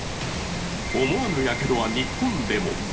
思わぬやけどは日本でも。